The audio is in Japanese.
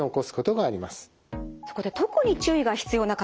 そこで特に注意が必要な方